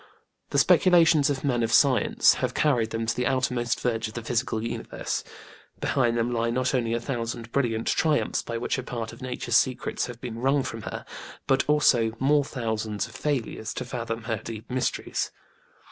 The speculations of men of science have carried them to the outermost verge of the physical universe. Behind them lie not only a thousand brilliant triumphs by which a part of Nature's secrets have been wrung from her, but also more thousands of failures to fathom her deep mysteries.